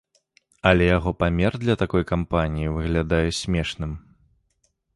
Але яго памер для такой кампаніі выглядае смешным.